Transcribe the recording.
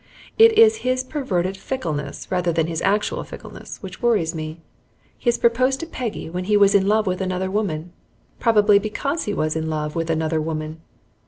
It is his perverted fickleness rather than his actual fickleness which worries me. He has proposed to Peggy when he was in love with another woman, probably because he was in love with another woman.